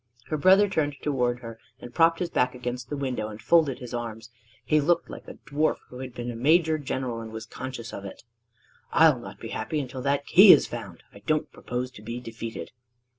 Her brother turned toward her and propped his back against the window and folded his arms: he looked like a dwarf who had been a major general and was conscious of it. "I'll not be happy until that key is found. I don't propose to be defeated."